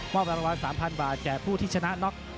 มอบรางวัลสามพันบาทแก่ผู้ที่ชนะน็อค